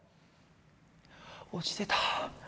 落ちてた。